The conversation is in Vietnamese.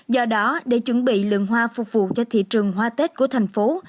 do đó để chuẩn bị lượng hoa phục vụ cho thị trường hoa tết của thành phố